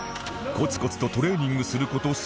コツコツとトレーニングする事３カ月